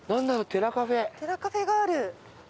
寺カフェがある。